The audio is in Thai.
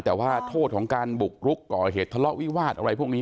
แต่ว่าโทษของการบุกรุกก่อเหตุทะเลาะวิวาสอะไรพวกนี้